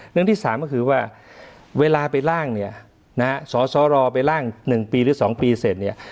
เรื่องที่สามก็คือว่าเวลาไปล่างเนี่ยนะฮะสสรไปล่าง๑ปีหรือ๒ปีเสร็จเนี่ย